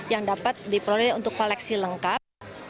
yang dapat diperoleh untuk koleksi lengkap